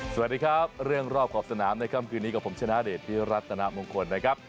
สวัสดีครับเรื่องรอบขอบสนามในค่ำคืนนี้กับผมชนะเดชพิรัตนามงคลนะครับ